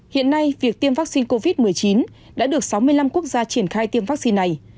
hiện nay việc tiêm vaccine covid một mươi chín đã được sáu mươi năm quốc gia triển khai tiêm vaccine này